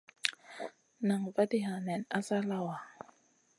Nan vaadia nen asa lawa.